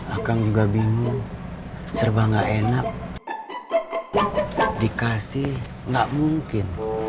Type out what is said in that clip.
akang juga bingung serba gak enak dikasih nggak mungkin